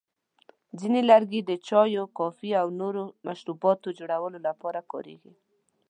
ځینې لرګي د چایو، کافي، او نورو مشروباتو جوړولو لپاره کارېږي.